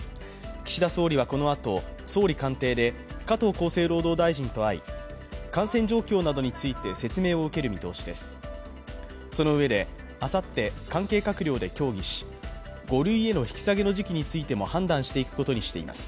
岸田総理はこのあと、総理官邸で加藤厚生労働大臣と会い、感染状況などについて説明を受ける見通しです。